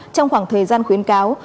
trong khoảng thời gian khuyến cáo